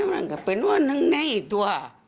มันสงสัยต์เป็นนอนตัว